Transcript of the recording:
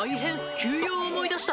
急用を思い出した。